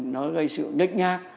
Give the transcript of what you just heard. nó gây sự đích nhác